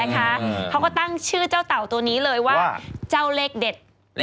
เขาก็ตั้งชื่อเจ้าเต่าตัวนี้เลยว่าเจ้าเลขเด็ด